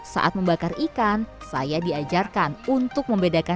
saat membakar ikan saya diajarkan untuk membedakan